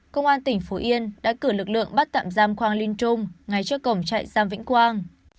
công an tỉnh phú yên đã cử lực lượng bắt tạm giam quang linh trung ngay trước cổng trại giam vĩnh quang